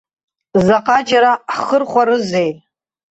Заҟаџьара ҳхырхәарызеи?